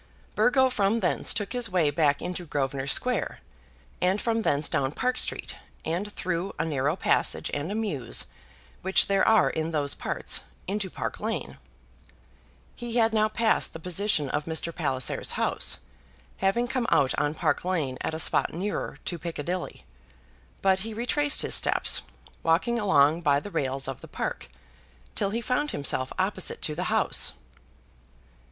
Burgo from thence took his way back into Grosvenor Square, and from thence down Park Street, and through a narrow passage and a mews which there are in those parts, into Park Lane. He had now passed the position of Mr. Palliser's house, having come out on Park Lane at a spot nearer to Piccadilly; but he retraced his steps, walking along by the rails of the Park, till he found himself opposite to the house.